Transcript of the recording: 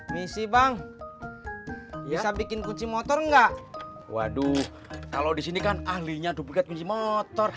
misi bang bisa bikin kunci motor enggak waduh kalau disini kan ahlinya duplikat kunci motor